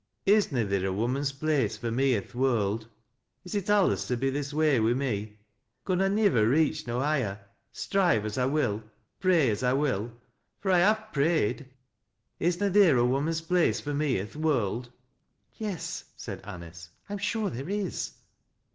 " Is na theer a woman's place fur me i' th' world ? Is it alius to be this way wi' me ? Con I nivver reach no higher, strive as I will, pray as I will, — fur I have prayed 1 Is na theer a woman's place fur me i' th' world ?"" Yes," said Anice, " I ain sure there is."